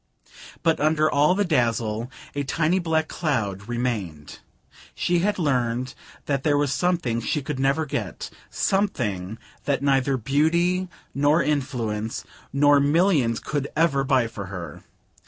But under all the dazzle a tiny black cloud remained. She had learned that there was something she could never get, something that neither beauty nor influence nor millions could ever buy for her.